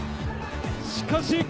しかし。